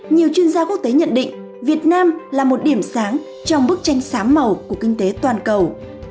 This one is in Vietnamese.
nhiều chuyên gia quốc tế nhận định việt nam là một điểm sáng trong bức tranh sám màu của kinh tế toàn cầu